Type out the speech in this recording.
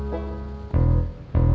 tete aku mau